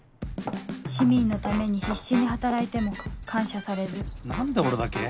市民のために必死に働いても感謝されず何で俺だけ？